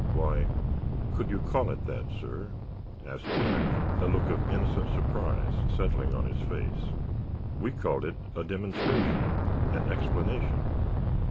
"Why, could you call it that, sir?" asked Jack, a look of innocent surprise settling on his face. "We called it a demonstration—an explanation."